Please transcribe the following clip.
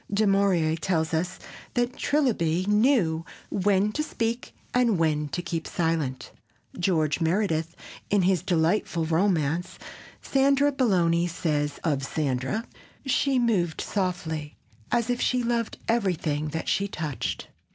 Du Maurier tells us that Trilby knew "when to speak and when to keep silence." George Meredith, in his delightful romance, Sandra Belloni, says of Sandra, "She moved softly as if she loved everything that she touched."